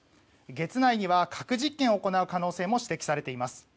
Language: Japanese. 月内には核実験を行う可能性も指摘されています。